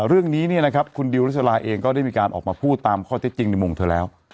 เรื่องนี้คุณดิวริสลาเองก็ได้มีการออกมาพูดตามข้อเท็จจริงในมุมเธอแล้ว